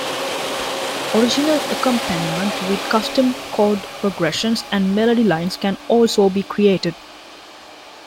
Original accompaniment with custom chord progressions and melody lines can also be created.